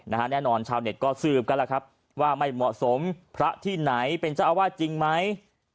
แน่นอนชาวเน็ตก็สืบกันแล้วครับว่าไม่เหมาะสมพระที่ไหนเป็นเจ้าอาวาสจริงไหม